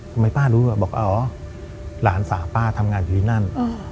ทำไมป้ารู้บอกอ๋อหลานสาวป้าทำงานอยู่ที่นั่น